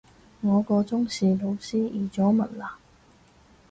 我個中史老師移咗民喇